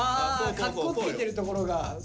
かっこつけてるところが。